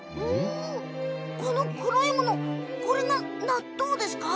この黒いものこれが納豆ですか？